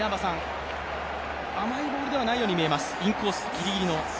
甘いボールではないように見えます、インコースギリギリの。